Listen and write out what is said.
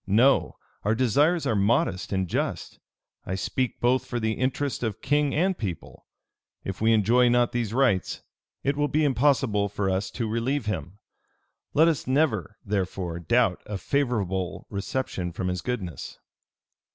No: our desires are modest and just. I speak both for the interest of king and people. If we enjoy not these rights, it will be impossible for us to relieve him. Let us never, therefore, doubt of a favorable reception from his goodness."